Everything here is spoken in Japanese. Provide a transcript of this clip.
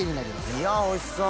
いやおいしそう！